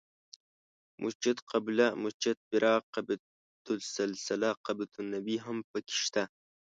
مسجد قبله، مسجد براق، قبة السلسله، قبة النبی هم په کې شته.